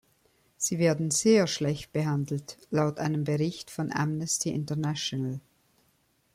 Sie werden sehr schlecht behandelt, laut einem Bericht von Amnesty International.